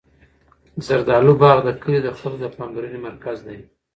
د زردالو باغ د کلي د خلکو د پاملرنې مرکز دی.